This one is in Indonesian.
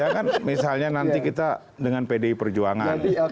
ya kan misalnya nanti kita dengan pdi perjuangan